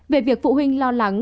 về việc phụ huynh lo lắng